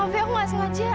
mau beruang semuanya dia